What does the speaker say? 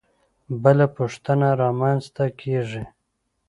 بله پوښتنه رامنځته کېږي.